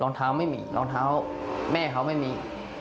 รองเท้าไม่มีรองเท้าแม่เขาไม่มี